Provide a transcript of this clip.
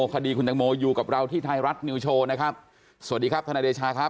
คดีคุณตังโมอยู่กับเราที่ไทยรัฐนิวโชว์นะครับสวัสดีครับทนายเดชาครับ